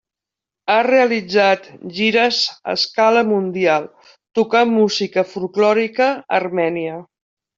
Ha realitzat gires a escala mundial tocant música folklòrica armènia.